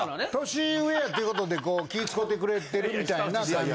年上やっていうことでこう気使うてくれてるみたいな感じ。